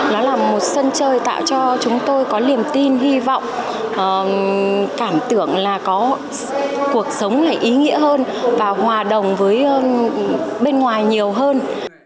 nó là một sân chơi tạo cho chúng tôi có liềm tin hy vọng cảm tưởng là có cuộc sống lại ý nghĩa hơn và hòa đồng với bên ngoài nhiều hơn